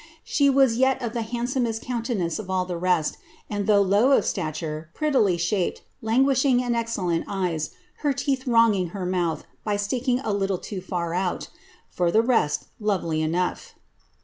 She was yet of the luindsomest countenance of all the rest, \ though low of stature, prettily shaped, languishing and excellent !S, her teeth wronging her mouth, by sticking a little too far out ; for rest lovely enough."